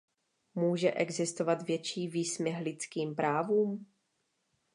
Může existovat větší výsměch lidským právům?